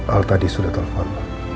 al tadi sudah telepon